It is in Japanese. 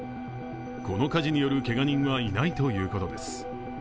この火事によるけが人はいないということです。